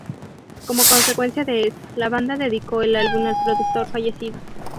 Como consecuencia de esto, la banda dedicó el álbum al productor fallecido.